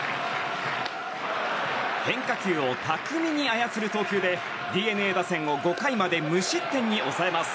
変化球を巧みに操る投球でＤｅＮＡ打線を５回まで無失点に抑えます。